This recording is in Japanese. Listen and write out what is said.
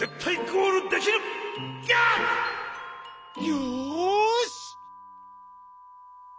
よし！